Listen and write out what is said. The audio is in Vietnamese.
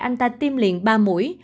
anh ta tiêm liền ba mũi